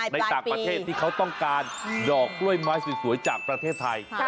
ในต่างประเทศที่เขาต้องการดอกกล้วยไม้สวยจากประเทศไทย